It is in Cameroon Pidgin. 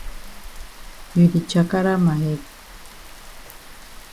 You di chakara ma head.